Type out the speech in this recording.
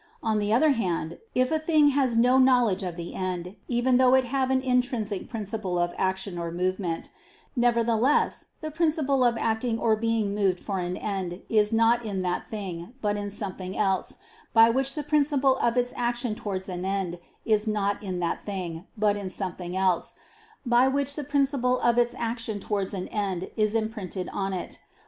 On the other hand, if a thing has no knowledge of the end, even though it have an intrinsic principle of action or movement, nevertheless the principle of acting or being moved for an end is not in that thing, but in something else, by which the principle of its action towards an end is not in that thing, but in something else, by which the principle of its action towards an end is imprinted on it.